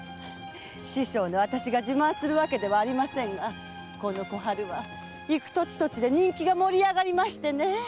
師匠の私が自慢するわけではありませんがこの小春は行く土地土地で人気が盛り上がりましてねえ。